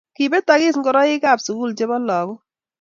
Kibetakis ngoroikab sukul chebo lagok